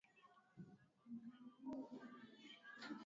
viongozi ishirini na saba kukota umoja wakujihami wa nchi za magharibi nato